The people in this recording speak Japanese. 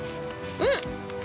うん。